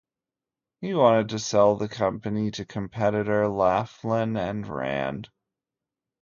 He wanted to sell the company to competitor Laflin and Rand.